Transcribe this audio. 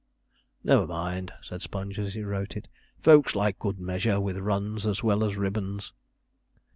'Never mind,' said Sponge, as he wrote it; 'folks like good measure with runs as well as ribbons.'